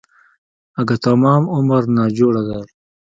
اگه تمام عمر ناجوړه دی.